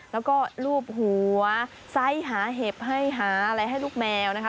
แล้วก็ลูบหัวไซส์หาเห็บให้หาอะไรให้ลูกแมวนะคะ